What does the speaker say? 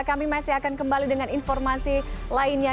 kami masih akan kembali dengan informasi lainnya